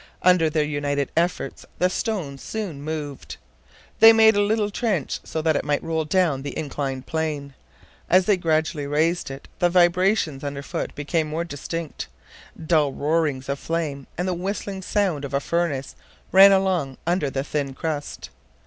Under their united efforts the stone soon moved. They made a little trench so that it might roll down the inclined plane. As they gradually raised it, the vibrations under foot became more distinct. Dull roarings of flame and the whistling sound of a furnace ran along under the thin crust.